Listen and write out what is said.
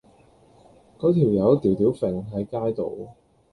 嗰班友吊吊揈喺街度